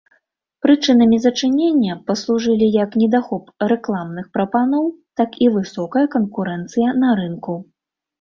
Прычынамі зачынення паслужылі як недахоп рэкламных прапаноў, так і высокая канкурэнцыя на рынку.